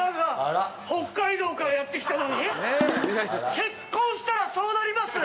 結婚したらそうなります？